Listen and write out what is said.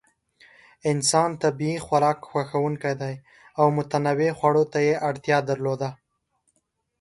انسان طبیعي خوراک خوښونکی و او متنوع خوړو ته یې اړتیا درلوده.